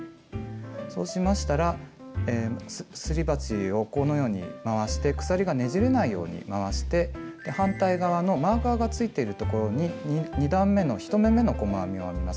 そうしましたらすり鉢をこのように回して鎖がねじれないように回して反対側のマーカーがついているところに２段めの１目めの細編みを編みます。